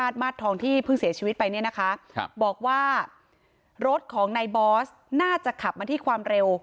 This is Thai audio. มาตรทองที่เพิ่งเสียชีวิตไปเนี่ยนะคะครับบอกว่ารถของนายบอสน่าจะขับมาที่ความเร็ว